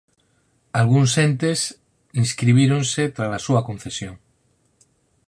Algúns entes inscribíronse trala súa concesión